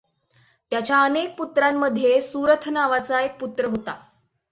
त्याच्या अनेक पुत्रांमध्ये सुरथ नावाचा एक पुत्र होता.